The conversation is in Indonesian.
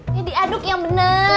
ini diaduk yang bener